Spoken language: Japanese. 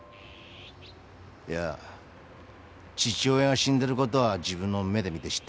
いや父親が死んでることは自分の目で見て知ってるはずです。